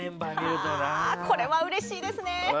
これはうれしいですね！